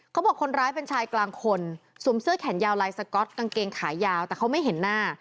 เขาบอกคนร้ายเป็นชายกลางคนสวมเสื้อแขนยาวลายสก๊อตกางเกงขายาวแต่เขาไม่เห็นหน้า